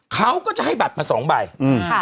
เขาก็จะให้บัตรมาสองใบอืมค่ะ